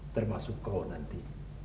termasuk kau nanti